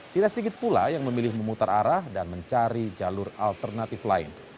tidak sedikit pula yang memilih memutar arah dan mencari jalur alternatif lain